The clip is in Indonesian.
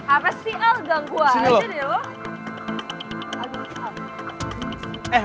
apa sih al ganggu aja deh lo